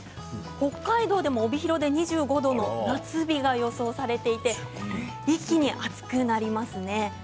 北海道でも帯広で２５度の夏日が予想されていて一気に暑くなりますね。